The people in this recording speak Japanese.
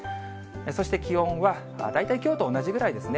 そして気温は、大体きょうと同じぐらいですね。